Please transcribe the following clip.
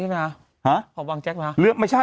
เรื่องของนี่นะฮะของวางแจ๊กมา